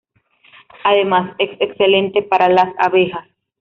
Además, es excelente para las abejas.